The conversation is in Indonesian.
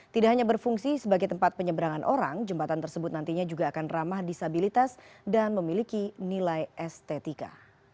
tidak hanya berfungsi sebagai tempat penyeberangan orang jembatan tersebut nantinya juga akan ramah disabilitas dan memiliki nilai estetika